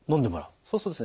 そうするとですね